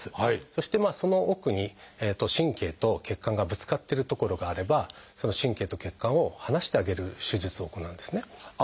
そしてその奥に神経と血管がぶつかってる所があればその神経と血管を離してあげる手術を行うんですね。